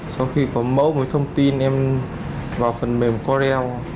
sau khi có mẫu với thông tin em vào phần mềm corel